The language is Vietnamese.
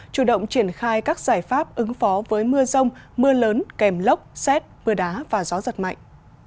chủ động triển khai các giải pháp ứng phó với mưa rông mưa lớn kèm lốc xét mưa đá và gió giật mạnh